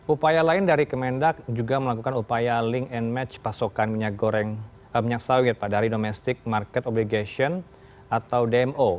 upaya lain dari kemendak juga melakukan upaya link and match pasokan minyak sawit pak dari domestic market obligation atau dmo